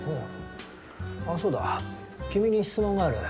あそうだ君に質問がある。